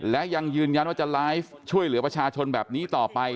และยังยืนยันว่าจะไลฟ์ช่วยเหลือประชาชนแบบนี้ต่อไป